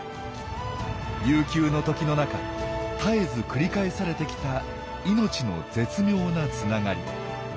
悠久の時の中絶えず繰り返されてきた命の絶妙なつながり。